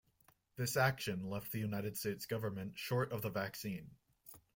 This action left the United States government short of the vaccine.